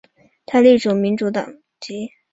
他隶属民主党籍。